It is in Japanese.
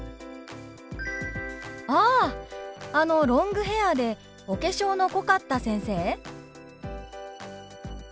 「ああのロングヘアーでお化粧の濃かった先生？」。